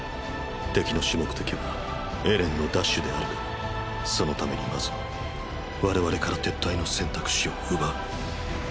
敵の主目的はエレンの奪取であるがそのためにまず我々から撤退の選択肢を奪う。